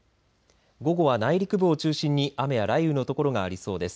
午後は内陸部を中心に雨や雷雨の所がありそうです。